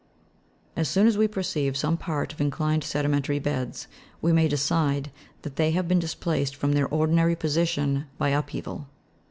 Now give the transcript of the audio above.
As soon as we perceive some part of inclined sedimentary beds, we may decide that they have been displaced from their ordinary position by up heaval.